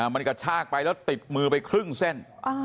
มันกระชากไปแล้วติดมือไปครึ่งเส้น